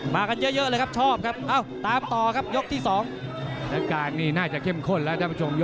มันมีเสน่ห์ตรงนี้ยืนกันใกล้แบบนี้เลย